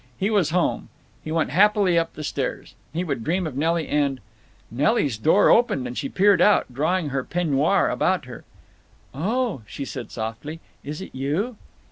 He was home. He went happily up the stairs. He would dream of Nelly, and— Nelly's door opened, and she peered out, drawing her peignoir about her. "Oh," she said, softly, "is it you?"